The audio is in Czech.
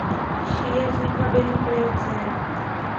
Šíje vznikla během pliocénu.